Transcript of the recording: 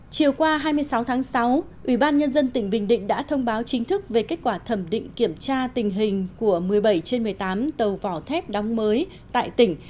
chiều qua hai mươi sáu tháng sáu ubnd tỉnh bình định đã thông báo chính thức về kết quả thẩm định kiểm tra tình hình của một mươi bảy trên một mươi tám tàu vỏ thép đóng mới tại tỉnh